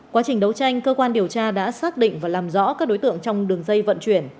quá trình đấu tranh cơ quan điều tra đã xác định và làm rõ các đối tượng trong đường dây vận chuyển